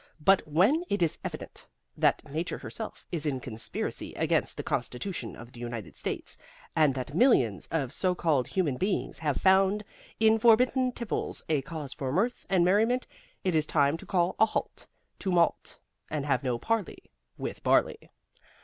But when it is evident that Nature herself is in conspiracy against the Constitution of the United States, and that millions of so called human beings have found in forbidden tipples a cause for mirth and merriment, it is time to call a halt to malt, and have no parley with barley.